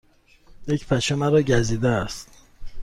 یک پشه مرا گزیده است.